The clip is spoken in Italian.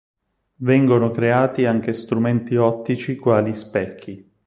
Vengono creati anche strumenti ottici quali specchi.